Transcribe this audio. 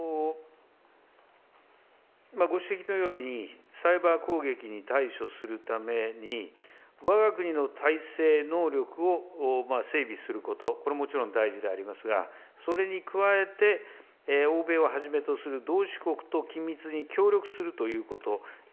ご指摘のようにサイバー攻撃に対処するために、わが国の態勢能力を整備すること、これもちろん大事でありますが、それに加えて、欧米をはじめとする同志国と緊密に協力するということ。